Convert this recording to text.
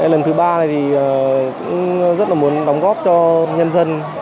lần thứ ba thì rất là muốn đóng góp cho nhân dân